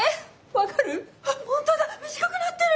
分かる？